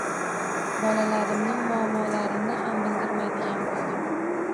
Bolalarimning muammolarini ham bildirmaydigan bo'ldim